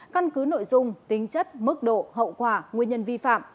căn cứ nội dung tính chất mức độ hậu quả nguyên nhân vi phạm